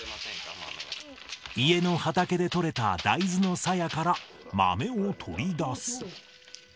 家の畑で取れた大豆のサヤから豆を取り出す。